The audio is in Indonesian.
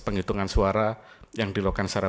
penghitungan suara yang dilakukan secara